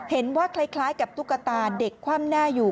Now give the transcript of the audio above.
คล้ายกับตุ๊กตาเด็กคว่ำหน้าอยู่